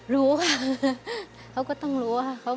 รู้ค่ะเขาก็ต้องรู้ว่า